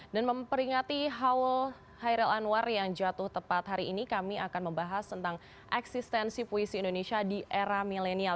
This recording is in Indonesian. memperingati haul hairil anwar yang jatuh tepat hari ini kami akan membahas tentang eksistensi puisi indonesia di era milenial